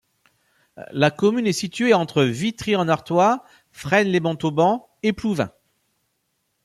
La commune est située entre Vitry-en-Artois, Fresnes-lès-Montauban et Plouvain.